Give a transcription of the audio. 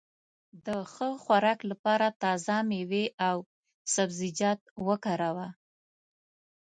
د ښه خوراک لپاره تازه مېوې او سبزيجات وکاروه.